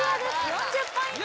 ４０ポイント